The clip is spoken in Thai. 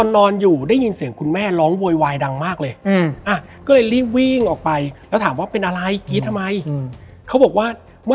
นอนอยู่ได้ยินเสียงคุณแม่ร้องโวยวายดังมากเลยก็เลยรีบวิ่งออกไปแล้วถามว่าเป็นอะไรกรี๊ดทำไมเขาบอกว่าเมื่อ